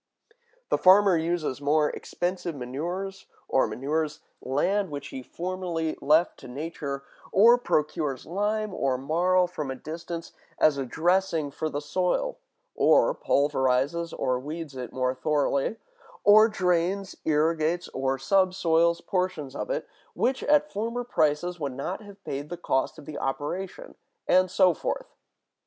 The farmer uses more expensive manures, or manures land which he formerly left to nature; or procures lime or marl from a distance, as a dressing for the soil; or pulverizes or weeds it more thoroughly; or drains, irrigates, or subsoils portions of it, which at former prices would not have paid the cost of the operation; and so forth.